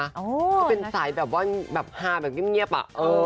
เขาเป็นสายแบบว่าแบบฮาแบบเงียบอะ